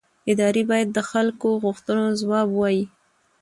ادارې باید د خلکو غوښتنو ځواب ووایي